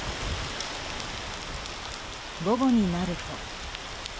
午後になると。